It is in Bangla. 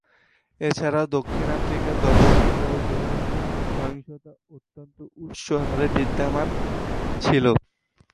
এছাড়াও, দক্ষিণ আফ্রিকায় ধর্ষণ এবং যৌন সহিংসতা অত্যন্ত উচ্চ হারে বিদ্যমান ছিল।